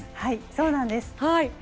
そうなんです。